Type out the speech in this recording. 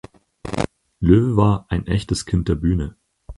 Löwe war „ein echtes Kind der Bühne“.